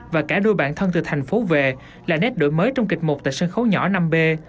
và cả đôi bản thân từ thành phố về là nét đổi mới trong kịch mục tại sân khấu nhỏ năm b